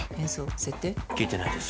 聞いてないです。